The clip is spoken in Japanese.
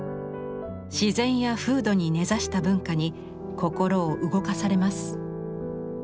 自然や風土に根ざした文化に心を動かされます。